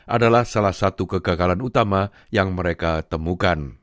adalah salah satu kegagalan utama yang mereka temukan